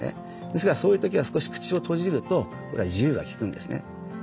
ですからそういう時は少し口を閉じると自由が利くんですね。